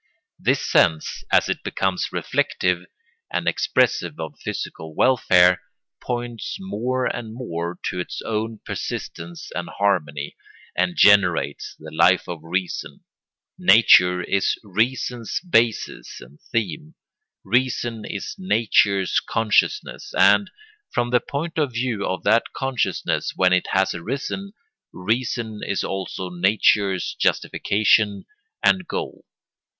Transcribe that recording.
This sense, as it becomes reflective and expressive of physical welfare, points more and more to its own persistence and harmony, and generates the Life of Reason. Nature is reason's basis and theme; reason is nature's consciousness; and, from the point of view of that consciousness when it has arisen, reason is also nature's justification and goal.